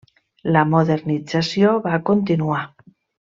La modernització va continuar.